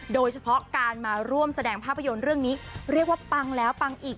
โดยเฉพาะการมาร่วมแสดงภาพยนตร์เรื่องนี้เรียกว่าปังแล้วปังอีก